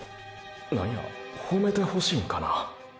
何やほめてほしいんかな？